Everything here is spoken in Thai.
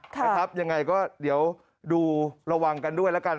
ยังไงก็เดี๋ยวดูระวังกันด้วยแล้วกัน